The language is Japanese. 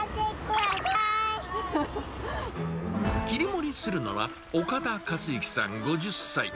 切り盛りするのは、岡田勝之さん５０歳。